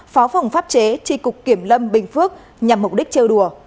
phó phòng pháp chế tri cục kiểm lâm bình phước nhằm mục đích trêu đùa